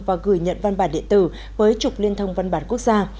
và gửi nhận văn bản điện tử với trục liên thông văn bản quốc gia